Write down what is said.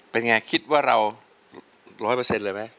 เป็นไงหรือจริงฮ่า